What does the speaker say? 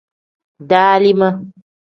Dalima.